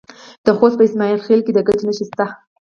د خوست په اسماعیل خیل کې د ګچ نښې شته.